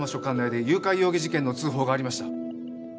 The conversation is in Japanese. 管内で誘拐容疑事件の通報がありました